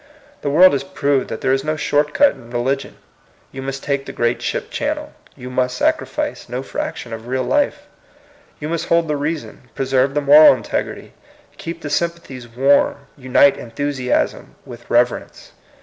The world has proved that there is no short cat in religion. You must take the great ship channel; you must sacrifice no fraction of real life ; you must hold the reason, preserve the moml integrity, keep the sympathies warm, unite enthusiasm with reverence.